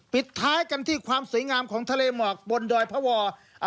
ปิดท้ายกันที่ความสวยงามของทะเลหมอกบนดอยพระวอร์